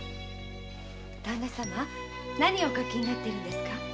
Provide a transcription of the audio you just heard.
何をお書きになっているんですか？